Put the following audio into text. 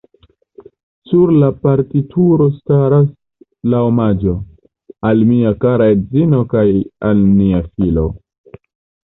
Sur la partituro staras la omaĝo: "Al mia kara edzino kaj al nia filo.